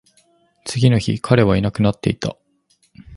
次の日、彼はいなくなっていた